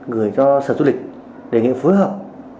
gửi cho sở du lịch đề nghị phối hợp